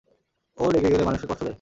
ও রেগে গেলে মানুষকে কষ্ট দেয়।